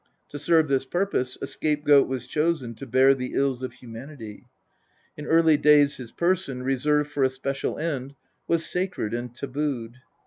To serve this purpose a scapegoat was chosen to bear the ills of humanity. In early days his person, reserved for a special end, was sacred and tabooed.